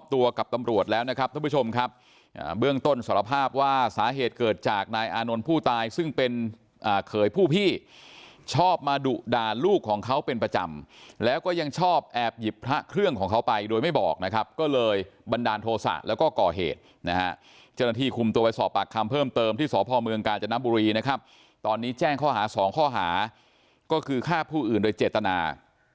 ตอนนี้แจ้งข้อหา๒ข้อหาก็คือฆ่าผู้อื่นโดยเจตนา